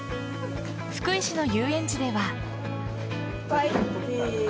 福井市の遊園地では。